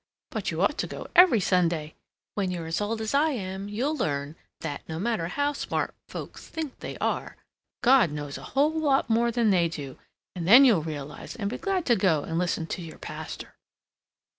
But you ought to go every Sunday! When you're as old as I am, you'll learn that no matter how smart folks think they are, God knows a whole lot more than they do, and then you'll realize and be glad to go and listen to your pastor!"